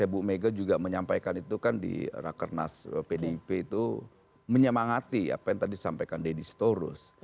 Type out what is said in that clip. bu mega juga menyampaikan itu kan di rakernas pdip itu menyemangati apa yang tadi disampaikan deddy storus